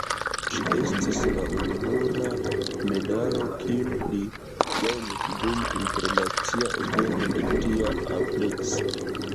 Ĝi estis la ununura medalo kiun li gajnis dum internacia evento de tia amplekso.